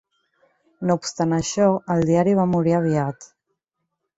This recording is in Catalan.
No obstant això, el diari va morir aviat.